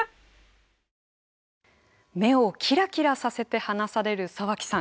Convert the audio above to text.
目をキラキラさせて話される沢木さん。